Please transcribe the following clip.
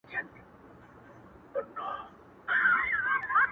o خو زه به بیا هم تر لمني انسان و نه نیسم،